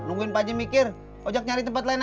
eh mbak be naim pak odi